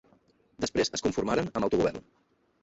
Després es conformaren amb autogovern.